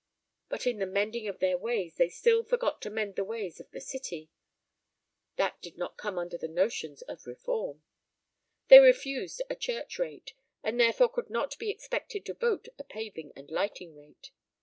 But in the mending of their ways they still forgot to mend the ways of the city: that did not come under their notions of reform. They refused a church rate, and therefore could not be expected to vote a paving and lighting rate.